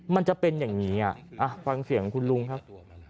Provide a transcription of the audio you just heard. มันจะเป็นอย่างงี้อ่ะอ่ะฟังเสียงของคุณลุงครับ